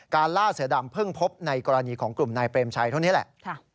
ล่าเสือดำเพิ่งพบในกรณีของกลุ่มนายเปรมชัยเท่านี้แหละ